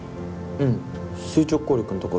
うん。